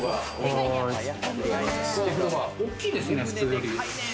大きいですね、普通より。